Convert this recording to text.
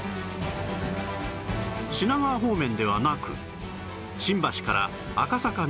品川方面ではなく新橋から赤坂